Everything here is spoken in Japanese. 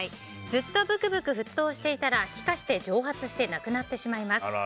ずっと、ぶくぶく沸騰していたら気化して蒸発してなくなってしまいます。